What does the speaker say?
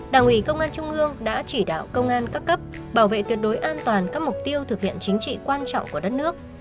đảng ủy công an trung ương đã chỉ đạo công an các cấp bảo vệ tuyệt đối an toàn các mục tiêu thực hiện chính trị quan trọng của đất nước